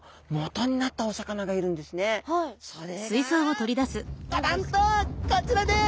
それがババンとこちらです。